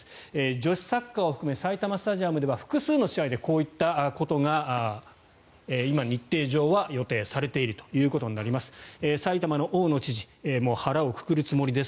女子サッカーを含め埼玉スタジアムでは複数の試合でこういったことが今、日程上は予定されているということになります。